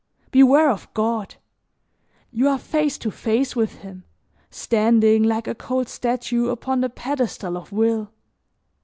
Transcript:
Beware of God! You are face to face with Him, standing like a cold statue upon the pedestal of will.